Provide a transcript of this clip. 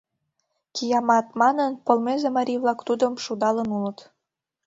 Киямат! — манын, полмезе марий-влак тудым шудалын улыт.